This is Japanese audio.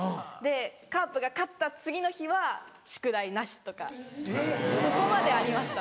カープが勝った次の日は宿題なしとかそこまでありました。